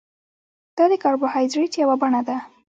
دا د کاربوهایډریټ یوه بڼه ده